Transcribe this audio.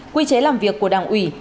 quy chế làm việc của đảng ủy